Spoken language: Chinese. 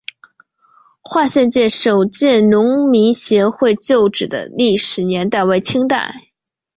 化县首届农民协会旧址的历史年代为清代。